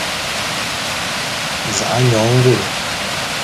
Za'a nyone ngule.